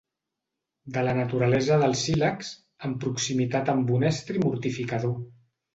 De la naturalesa del sílex, en proximitat amb un estri mortificador.